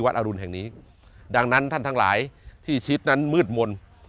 อรุณแห่งนี้ดังนั้นท่านทั้งหลายที่ชิดนั้นมืดมนต์